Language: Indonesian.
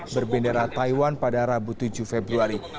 berbendera taiwan pada rabu tujuh februari